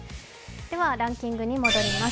ランキングに戻ります。